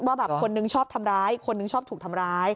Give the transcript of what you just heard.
ว่าแบบคนนึงชอบทำร้ายคนนึงชอบถูกทำร้าย